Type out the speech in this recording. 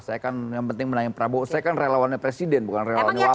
saya kan relawannya presiden bukan relawannya cawa pres